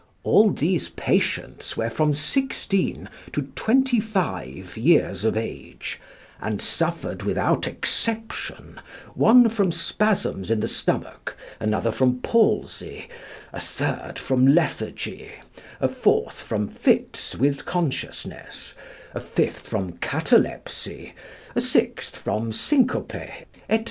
All these patients were from sixteen to twenty five years of age, and suffered without exception, one from spasms in the stomach, another from palsy, a third from lethargy, a fourth from fits with consciousness, a fifth from catalepsy, a sixth from syncope, &c.